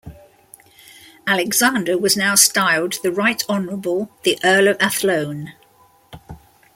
Alexander was now styled The Right Honourable The Earl of Athlone.